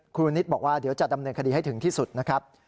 นิตบอกว่าเดี๋ยวจะดำเนินคดีให้ถึงที่สุดนะครับ